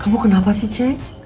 kamu kenapa sih cek